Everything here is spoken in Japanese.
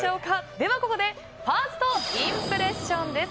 ではここでファーストインプレッションです。